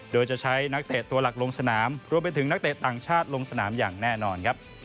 โดยจะใช้นักเตะตัวหลักลงสนามรวมไปถึงนักเตะต่างชาติลงสนามอย่างแน่นอนครับ